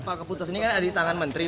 pak keputus ini kan ada di tangan menteri